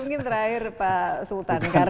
mungkin terakhir pak sultan